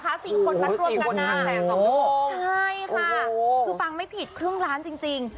ถ้าสี่คนรักรวมกันอ่ะใช่ค่ะคือฟังไม่ผิดครึ่งล้านจริง